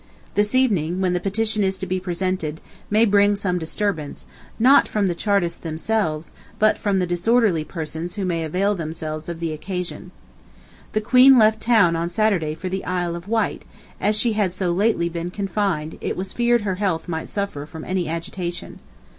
This evening, when the petition is to be presented, may bring some disturbance, not from the Chartists themselves, but from the disorderly persons who may avail themselves of the occasion. The Queen left town on Saturday for the Isle of Wight, as she had so lately been confined it was feared her health might suffer from any agitation.